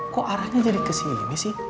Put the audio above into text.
kok arahnya jadi kesini sih